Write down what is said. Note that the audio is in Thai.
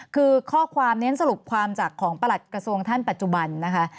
คือข้อความเน้นสรุปความจากของประหลัดกระทรวงท่านปัจจุบันนะคะ